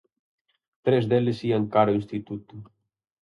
Tres deles ían cara ao instituto.